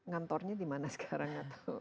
kantornya di mana sekarang